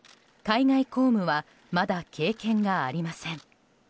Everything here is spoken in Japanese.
海外公務はまだ経験がありません。